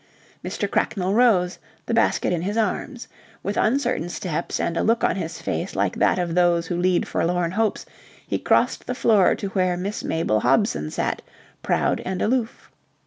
Mr. Cracknell rose, the basket in his arms. With uncertain steps and a look on his face like that of those who lead forlorn hopes he crossed the floor to where Miss Mabel Hobson sat, proud and aloof.